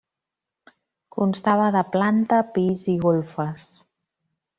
Constava de planta, pis i golfes.